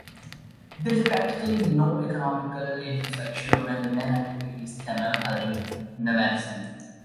There is practically no economical infrastructure and the main activity is camel herding nomadism.